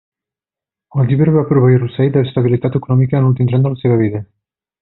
El llibre va proveir Russell d'estabilitat econòmica en l'últim tram de la seva vida.